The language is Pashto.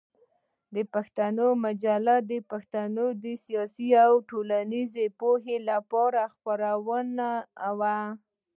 پښتون مجله د پښتنو د سیاسي او ټولنیزې پوهې لپاره مهمه خپرونه وه.